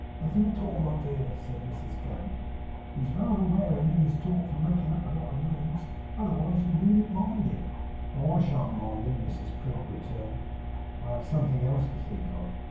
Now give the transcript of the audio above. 'Nothin' at all, my dear,' said Mrs Gamp. 'He's rather wearin' in his talk from making up a lot of names; elseways you needn't mind him.' 'Oh, I shan't mind him,' Mrs Prig returned. 'I have somethin' else to think of.